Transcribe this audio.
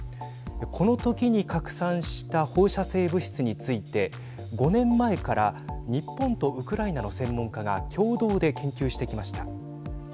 このときに拡散した放射性物質について５年前から日本とウクライナの専門家が共同で研究してきました。